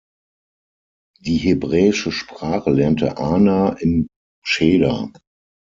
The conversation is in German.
Die hebräische Sprache lernte Ana im Cheder.